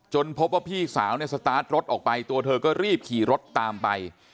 พบว่าพี่สาวเนี่ยสตาร์ทรถออกไปตัวเธอก็รีบขี่รถตามไป